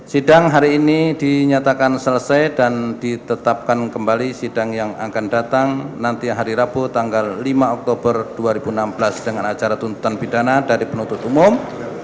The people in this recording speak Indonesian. sidang hari ini dinyatakan selesai dan ditetapkan kembali sidang yang akan datang nanti hari rabu tanggal lima oktober dua ribu enam belas dengan acara tuntutan pidana dari penuntut umum